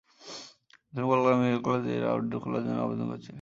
প্রথমে কলকাতা মেডিক্যাল কলেজে এর আউটডোর খোলার জন্যে আবেদন করেছিলেন।